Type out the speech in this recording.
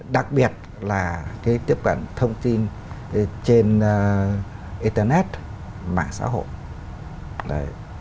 đặc biệt là cái tiếp cận thông tin trên internet mạng xã hội